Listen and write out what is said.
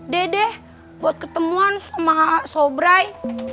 dede buat ketemuan sama sobrai